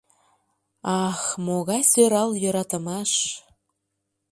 Ах, могай сӧрал йӧратымаш!